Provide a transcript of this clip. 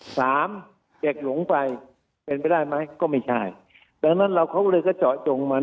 สามเด็กหลงไปเป็นไปได้ไหมก็ไม่ใช่ดังนั้นเราเขาก็เลยก็เจาะจงมัน